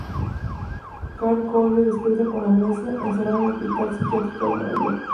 Carl Corey despierta con amnesia, encerrado en un hospital psiquiátrico de Nueva York.